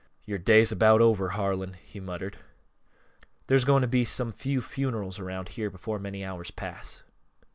"Yore day's about over, Harlan," he muttered. "There's going to be some few funerals around here before many hours pass."